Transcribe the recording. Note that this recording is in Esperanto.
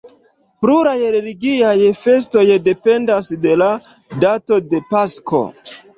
Pluraj religiaj festoj dependas de la dato de Pasko.